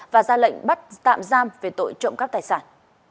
và ra lệnh bắt tạm giam về tội trộm cắp tài sản